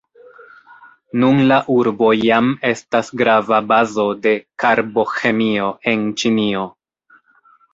Nun la urbo jam estas grava bazo de Karbo-ĥemio en Ĉinio.